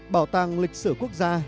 bảo tàng lịch sử quốc gia